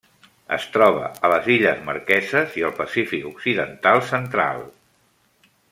Es troba a les Illes Marqueses i el Pacífic occidental central.